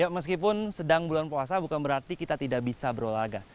meskipun sedang bulan puasa bukan berarti kita tidak bisa berolahraga